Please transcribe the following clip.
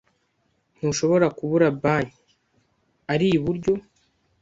Ntushobora kubura banki. Ari iburyo.